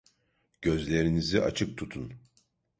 Gözlerinizi açık tutun.